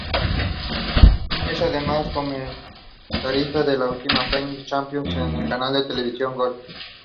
She attended Broad Oak High School.